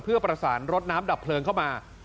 เพื่อประสานรถน้ำดับเพลิงเข้ามา